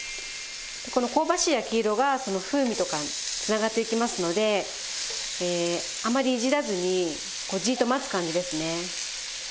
でこの香ばしい焼き色がその風味とかにつながっていきますのであまりいじらずにこうじっと待つ感じですね。